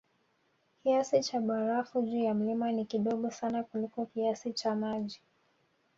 Kiasi cha barafu juu ya mlima ni kidogo sana kuliko kiasi cha maji